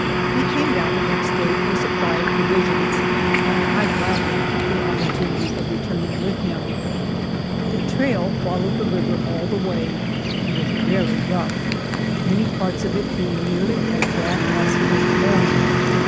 He came down the next day for a supply of provisions, and I gladly took the op portunity of returning with him. The trail followed the river all the way, and was very rough, many parts of it being nearly as bad as "Cape Horn."